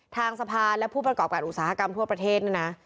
ทางสะพานและผู้ประกอบการอุตสาหกรรมทั่วประเทศเนี่ยนะ